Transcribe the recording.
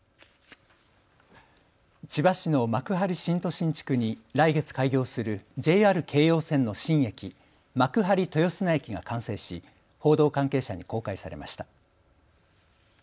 千葉市の幕張新都心地区に来月開業するＪＲ京葉線の新駅、幕張豊砂駅が完成し報道関係者に公開されました。